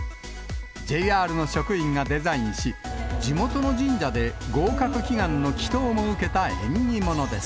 ＪＲの職員がデザインし、地元の神社で合格祈願の祈とうも受けた縁起物です。